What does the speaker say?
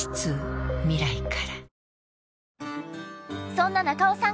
そんな中尾さん